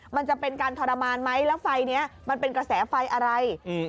มันจะเป็นการทรมานไหมแล้วไฟเนี้ยมันเป็นกระแสไฟอะไรอืม